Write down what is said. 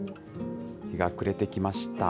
日が暮れてきました。